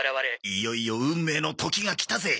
いよいよ運命の時がきたぜ。